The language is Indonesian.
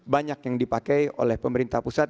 banyak yang dipakai oleh pemerintah pusat